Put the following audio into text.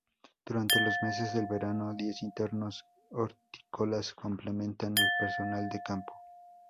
Durante los meses del verano diez internos hortícolas complementan el personal de campo.